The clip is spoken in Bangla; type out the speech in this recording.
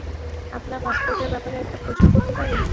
আপনার পাসপোর্টের ব্যাপারে একটা প্রশ্ন করতে পারি?